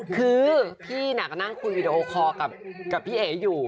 คือพี่น่ะก็นั่งคุยวีดีโอคอร์กับพี่เอ๋อยู่